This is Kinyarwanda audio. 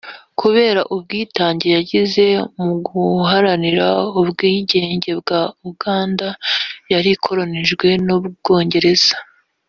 kubera ubwitange yagize mu guharanira ubwigenge bwa Uganda yari ikolonijwe n’u Bwongereza